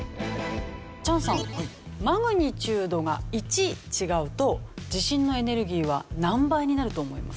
チャンさんマグニチュードが１違うと地震のエネルギーは何倍になると思いますか？